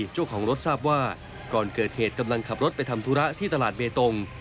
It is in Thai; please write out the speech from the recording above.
เจ้าของรถทราบว่าก่อนเกิดเหตุกำลังขับรถไปทำธุระที่ตลาดเบตง